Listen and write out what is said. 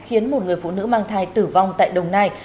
khiến một người phụ nữ mang thai tử vong tại đồng nai